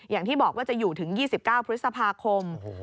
อย่างที่บอกว่าจะอยู่ถึง๒๙พฤษภาคม